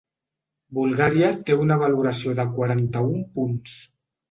Bulgària té una valoració de quaranta-un punts.